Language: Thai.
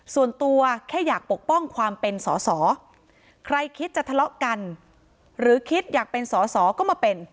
ส่วนตัวแค่อยากปกป้องความเป็นสอสอใครคิดจะทะเลาะกันหรือคิดอยากเป็นสอสอก็มาเป็น